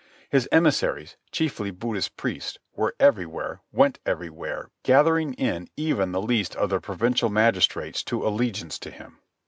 His emissaries, chiefly Buddhist priests, were everywhere, went everywhere, gathering in even the least of the provincial magistrates to allegiance to him.